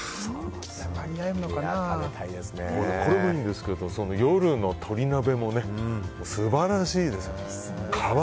これもいいんですけど夜の鳥鍋も素晴らしいです。